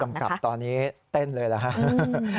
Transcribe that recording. ผู้กำกับตอนนี้เต้นเลยนะครับ